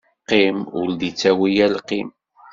Qqim ur d-ittawi alqim.